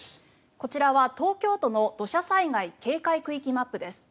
こちらは東京都の土砂災害警戒区域マップです。